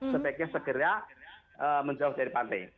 sebaiknya segera menjauh dari pantai